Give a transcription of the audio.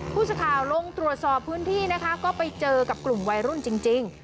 ผู้สื่อข่าวลงตรวจสอบพื้นที่นะคะก็ไปเจอกับกลุ่มวัยรุ่นจริง